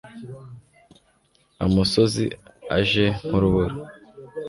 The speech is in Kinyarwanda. amosozi aje nk'urubura